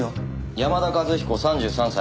山田和彦３３歳。